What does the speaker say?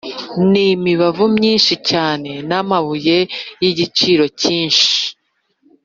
n’imibavu myinshi cyane n’amabuye y’igiciro cyinshi